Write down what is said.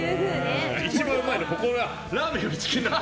一番うまいの、ここでラーメンよりチキン南蛮。